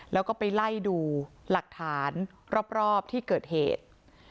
แล้วก็ไปไล่ดูหลักฐานรอบที่เกิดเหตุ